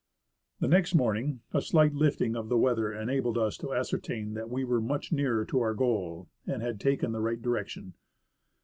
The next morning a slight lifting of the weather enabled us to ascertain that we were much nearer to our goal, and had taken the right direction.